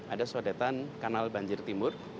ada sodetan kanal banjir timur